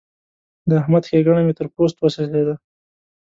د احمد ښېګڼه مې تر پوست وڅڅېده.